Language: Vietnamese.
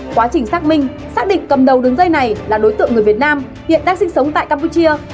quá trình xác minh xác định cầm đầu đường dây này là đối tượng người việt nam hiện đang sinh sống tại campuchia